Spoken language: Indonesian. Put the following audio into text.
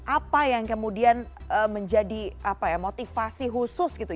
apa yang kemudian menjadi motivasi khusus gitu